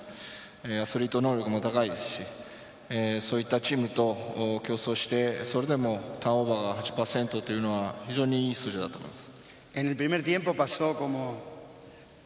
アスリート能力も高いですし、そういったチームと競争して、それでもターンオーバーが８％というのは非常にいい数字だと思います。